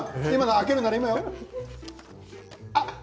開けるなら今よ。